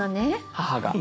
母が。